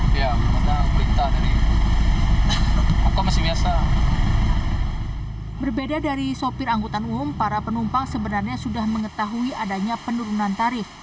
berbeda dari sopir angkutan umum para penumpang sebenarnya sudah mengetahui adanya penurunan tarif